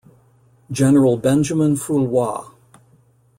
General Benjamin Foulois.